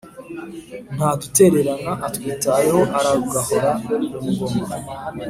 Ntadutererana atwitayeho aragahora ku ngoma